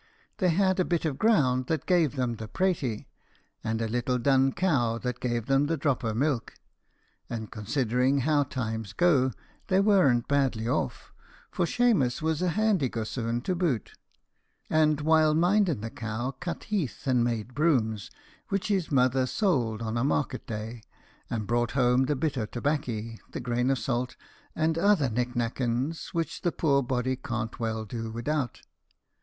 They had a bit of ground that gave 'em the preaty, and a little dun cow that gave 'em the drop o' milk; and, considering how times go, they weren't badly off, for Shemus was a handy gossoon to boot; and, while minden the cow, cut heath and made brooms, which his mother sould on a market day, and brought home the bit o' tobaccy, the grain of salt, and other nic nackenes, which a poor body can't well do widout.